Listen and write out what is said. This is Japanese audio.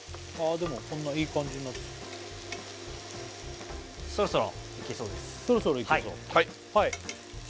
でもこんないい感じになってきたそろそろいけそうです